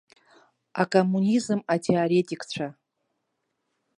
Акоммунизм атеоретикцәа.